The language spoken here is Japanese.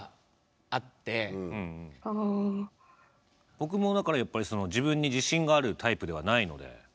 僕もだからやっぱり自分に自信があるタイプではないので。